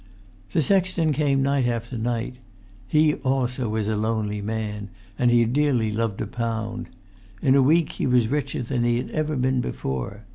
The sexton came night after night; he also was a lonely man; and he dearly loved a pound. In a week he was richer than he had ever been before.